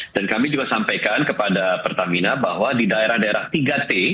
dan kami juga sampaikan kepada pertamina bahwa di daerah daerah tiga t